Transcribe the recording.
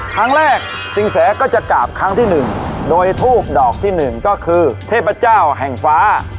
สิ่งแรกสินแสก็จะกราบครั้งที่หนึ่งโดยทูบดอกที่หนึ่งก็คือเทพเจ้าแห่งฟ้า